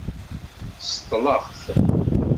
Seḍḍleɣ-d.